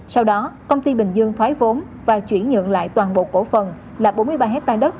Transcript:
sau đó công ty bình dương thoái vốn và chuyển nhượng lại toàn bộ cổ phần là bốn mươi ba hectare đất